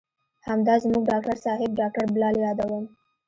همدا زموږ ډاکتر صاحب ډاکتر بلال يادوم.